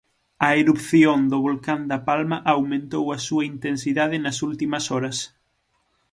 A erupción do volcán da Palma aumentou a súa intensidade nas últimas horas.